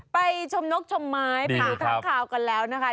ไปชมนกชมไม้ไปดูทั้งข่าวกันแล้วนะคะ